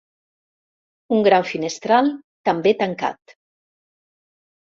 Un gran finestral, també tancat.